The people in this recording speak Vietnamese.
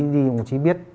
đồng chí biết